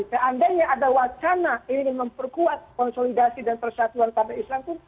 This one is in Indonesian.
seandainya ada wacana ingin memperkuat konsolidasi dan persatuan partai islam itu